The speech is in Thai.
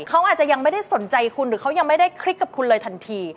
เขาอาจจะยังไม่ได้สนใจคุณหรือเขายังไม่ได้คลิกกับคุณเลยทันที